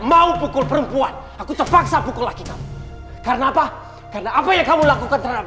mau pukul perempuan aku terpaksa pukullah kita karena apa karena apa yang kamu lakukan terhadap